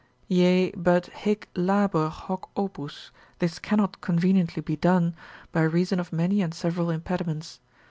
Yea, but hic labor, hoc opus, this cannot conveniently be done, by reason of many and several impediments.